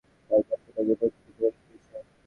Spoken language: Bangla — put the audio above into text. তাই কস্তা তাকে উপরের টিকেট ধরিয়ে দিয়েছে।